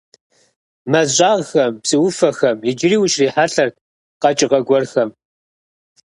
Мэз щӀагъхэм, псы Ӏуфэхэм иджыри ущрихьэлӀэрт къэкӀыгъэ гуэрхэм.